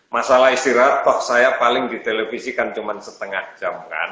masalah istirahat toh saya paling di televisi kan cuma setengah jam kan